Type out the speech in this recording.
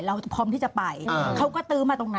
กันไม่ได้พูดนะ